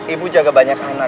ibu jaga banyak anak